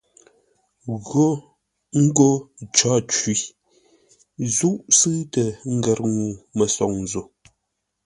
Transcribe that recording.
Gho ńgó cǒ cwí; zúʼ sʉ̂ʉtə ngər ŋuu-mə́soŋ zo.